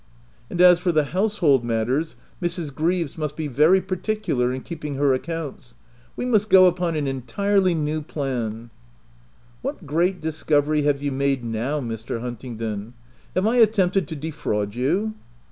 And as for the household matters, Mrs. Greaves must be very particular in keeping her accounts : we must go upon an entirely new plan —"'* What great discovery have you made now, Mr. Huntingdon? Have I attempted to de fraud you